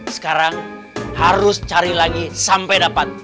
sekarang harus cari lagi sampai dapat